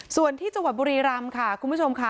ส่วนที่จังหวัดบุรีรัมท์ค่ะคุณผู้ชม